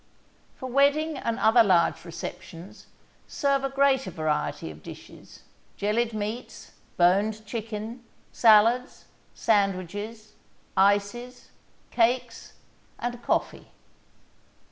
For wedding and other large receptions serve a greater variety of dishes jellied meats, boned chicken, salads, sandwiches, ices, cakes and coffee.